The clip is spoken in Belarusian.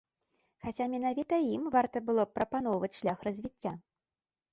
Хаця менавіта ім варта было б прапаноўваць шлях развіцця.